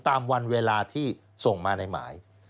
ตามวันเวลาที่ส่งมาในหมาย